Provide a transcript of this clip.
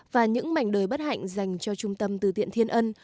và những mảnh đời bất hạnh dành cho trung tâm từ thiện thiên ân